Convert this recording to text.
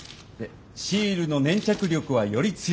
シールの粘着力はより強く！